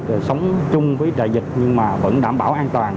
để sống chung với đại dịch nhưng mà vẫn đảm bảo an toàn